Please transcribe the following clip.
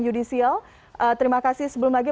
judicial terima kasih sebelum lagi